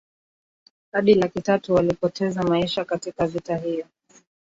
hadi laki tatu walipoteza maisha katika vita hiyo